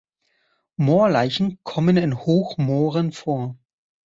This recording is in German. Moorleichen kommen in Hochmooren vor.